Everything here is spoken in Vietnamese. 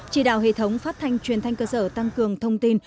chỉ đạo hệ thống phát thanh truyền thanh cơ sở tăng cường thông tin